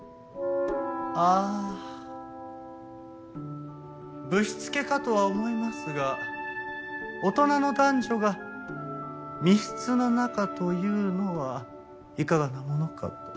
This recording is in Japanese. ああぶしつけかとは思いますが大人の男女が密室の中というのはいかがなものかと。